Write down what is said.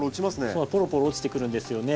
そうポロポロ落ちてくるんですよね。